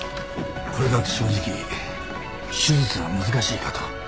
これだと正直手術は難しいかと。